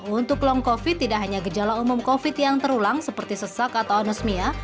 untuk long covid tidak hanya gejala umum covid yang terulang seperti sesak atau anosmia